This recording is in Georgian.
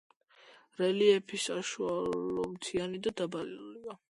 რელიეფი საშუალომთიანი და დაბლობია.